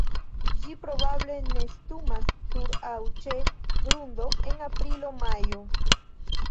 Ĝi probable nestumas sur aŭ ĉe grundo en aprilo-majo.